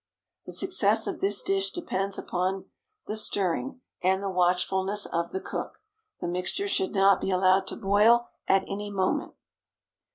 The success of this dish depends much upon the stirring and the watchfulness of the cook. The mixture should not be allowed to boil at any moment.